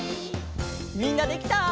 みんなできた？